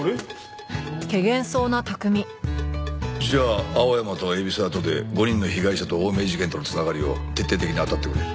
じゃあ青山と海老沢とで５人の被害者と青梅事件との繋がりを徹底的に当たってくれ。